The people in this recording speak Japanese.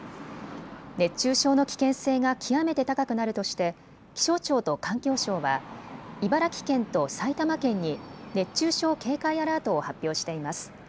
熱中症の危険性が極めて高くなるとして気象庁と環境省は茨城県と埼玉県に熱中症警戒アラートを発表しています。